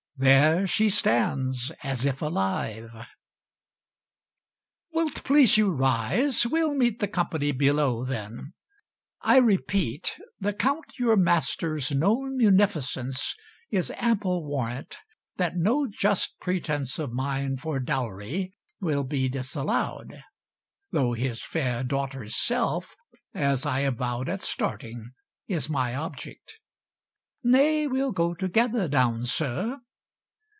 There she stands As if alive. Will't please you rise? We'll meet The company below, then. I repeat, The Count your master's known munificence Is ample warrant that no just pretence 50 Of mine for dowry will be disallowed; Though his fair daughter's self, as I avowed At starting, is my object. Nay, we'll go Together down, sir.